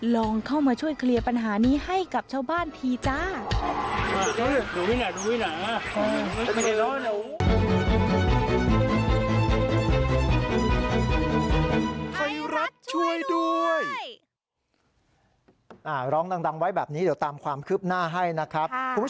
ลองเข้ามาช่วยเคลียร์ปัญหานี้ให้กับชาวบ้านทีจ้า